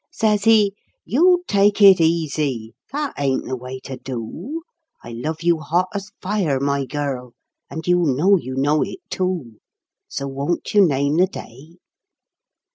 Says he, " You take it easy ! That ain't the way to do ! I love you hot as fire, my girl, and you know you know it too. So won't you name the day